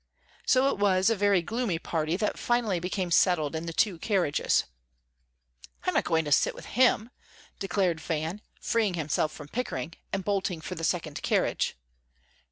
So it was a very gloomy party that finally became settled in the two carriages. "I'm not going to sit with him," declared Van, having freed himself from Pickering, and bolting for the second carriage.